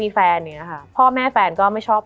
มันทำให้ชีวิตผู้มันไปไม่รอด